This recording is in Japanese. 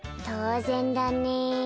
当然だね